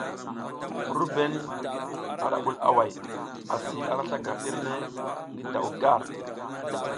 RUBEN ara bul away, asi ara slakaŋ irne ngi daw gar.